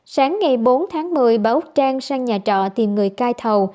sáng ngày bốn tháng một mươi bà úc trang sang nhà trọ tìm người cai thầu